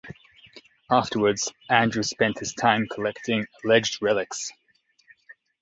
Afterwards, Andrew spent his time collecting alleged relics.